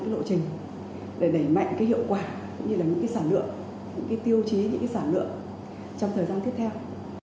những cái tiêu chí những cái sản lượng trong thời gian tiếp theo